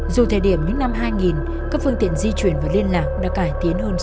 dù thời điểm những năm hai nghìn các phương tiện di chuyển và liên lạc đã cải tiến hơn xưa rất nhiều